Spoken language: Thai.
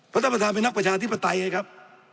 เพราะธรรมธาตุเป็นนักประชาธิปไตยไงครับ